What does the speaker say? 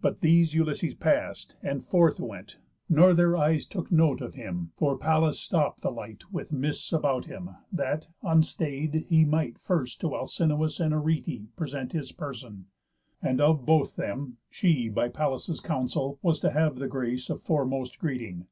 But these Ulysses pass'd, and forth went; nor their eyes Took note of him, for Pallas stopp'd the light With mists about him, that, unstay'd, he might First to Alcinous, and Arete, Present his person; and, of both them, she, By Pallas' counsel, was to have the grace Of foremost greeting.